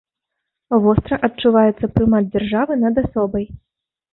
Востра адчуваецца прымат дзяржавы над асобай.